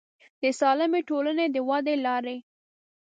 د سالمې ټولنې د ودې لارې